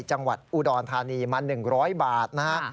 จังหวัดอุดรธานีมา๑๐๐บาทนะฮะ